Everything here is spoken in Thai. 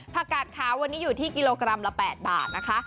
กาดขาววันนี้อยู่ที่กิโลกรัมละ๘บาทนะคะ